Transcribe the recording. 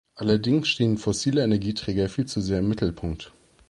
Allerdings stehen fossile Energieträger viel zu sehr im Mittelpunkt.